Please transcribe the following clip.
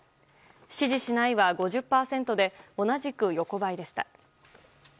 支持しないは５０％で同じく横ばいでした。